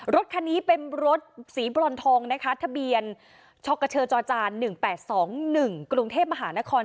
รถคันนี้เป็นรถสีบรอนทองนะคะทะเบียนชกเชอจอจาน๑๘๒๑กรุงเทพมหานคร